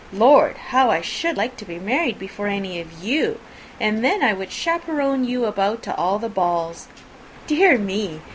Lord! how I should like to be married before any of you! and then I would chaperon you about to all the balls. Dear me!